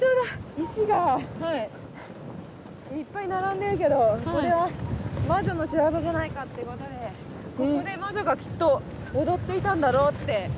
石がいっぱい並んでるけどこれは魔女の仕業じゃないかってことでここで魔女がきっと踊っていたんだろうって。